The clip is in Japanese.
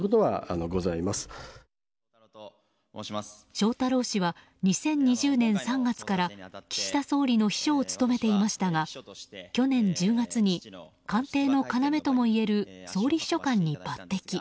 翔太郎氏は２０２０年３月から岸田総理の秘書を務めていましたが去年１０月に官邸の要ともいえる総理秘書官に抜擢。